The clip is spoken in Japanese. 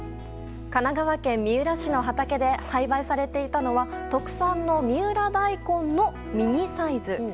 神奈川県三浦市の畑で栽培されていたのは特産の三浦大根のミニサイズ。